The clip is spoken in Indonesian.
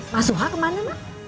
mas suha kemana